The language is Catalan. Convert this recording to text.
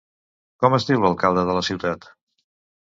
Com es diu l'alcalde de la ciutat?